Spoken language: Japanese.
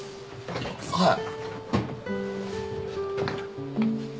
はい。